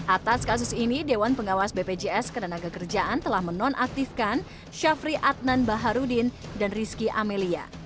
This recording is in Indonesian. atas kasus ini dewan pengawas bpjs ketenaga kerjaan telah menonaktifkan syafri adnan baharudin dan rizky amelia